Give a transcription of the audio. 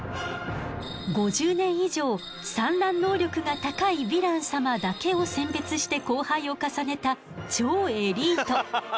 ５０年以上産卵能力が高いヴィラン様だけを選別して交配を重ねた超エリート。